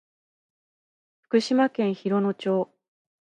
福島県広野町